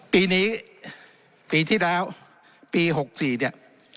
ปีนี้ปีที่แล้วปี๖๔เนี่ย